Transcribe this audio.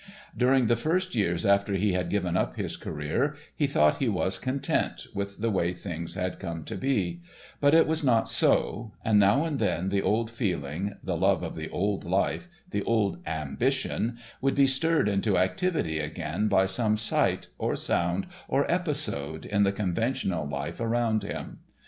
During the first years after he had given up his career, he thought he was content with the way things had come to be; but it was not so, and now and then the old feeling, the love of the old life, the old ambition, would be stirred into activity again by some sight, or sound, or episode in the conventional life around him.